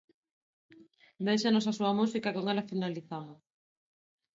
Déixanos a súa música e con ela finalizamos.